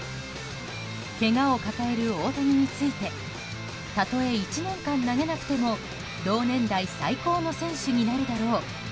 けがを抱える大谷についてたとえ１年間投げなくても同年代最高の選手になるだろう。